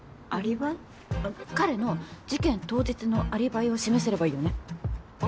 彼の事件当日のアリバイを示せればいいよね。